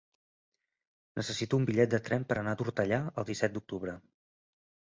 Necessito un bitllet de tren per anar a Tortellà el disset d'octubre.